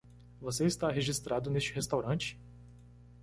Você está registrado neste restaurante?